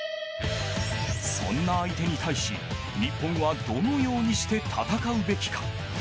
そんな相手に対し日本はどのようにして戦うべきか。